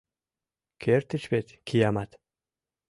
Кертыч вет, киямат!